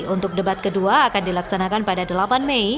untuk debat kedua akan dilaksanakan pada delapan mei